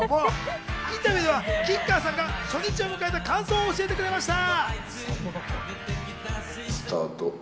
インタビューでは、吉川さんが初日を迎えた感想を教えてくれました。